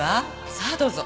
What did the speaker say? さあどうぞ。